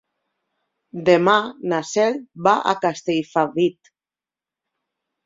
Demà na Cel va a Castellfabib.